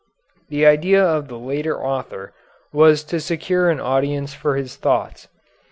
The idea of the later author was to secure an audience for his thoughts.